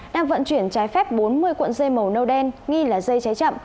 đang vận chuyển trái phép bốn mươi cuộn dây màu nâu đen nghi là dây cháy chậm